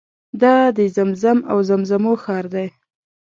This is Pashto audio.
دا د زمزم او زمزمو ښار دی.